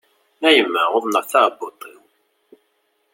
A yemma, uḍneɣ taɛebbuḍt-iw!